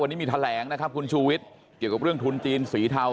วันนี้มีแถลงนะครับคุณชูวิทย์เกี่ยวกับเรื่องทุนจีนสีเทา